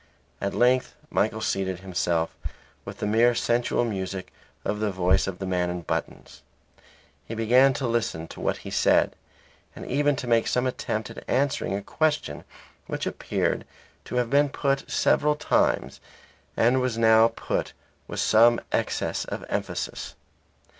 At length Michael sated himself with the mere sensual music of the voice of the man in buttons. He began to listen to what he said, and even to make some attempt at answering a question which appeared to have been put several times and was now put with some excess of emphasis.